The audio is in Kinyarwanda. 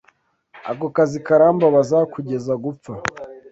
Ako kazi karambabaza kugeza gupfa.